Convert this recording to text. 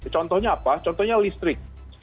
contohnya apa contohnya listrik